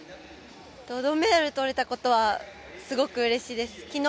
銅メダルとれたことはすごくうれしいです。